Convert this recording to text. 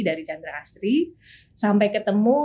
dari chandra asri sampai ketemu